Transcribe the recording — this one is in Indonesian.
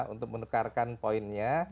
untuk menukarkan poinnya